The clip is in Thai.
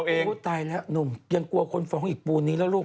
โอ้โหตายแล้วหนุ่มยังกลัวคนฟ้องอีกปูนนี้แล้วลูก